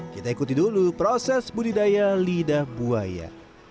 kita ikuti dulu proses budidaya lidah buaya